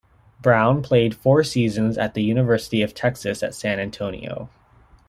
Brown played four seasons at the University of Texas at San Antonio.